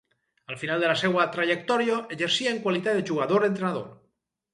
Al final de la seua trajectòria exercia en qualitat de jugador-entrenador.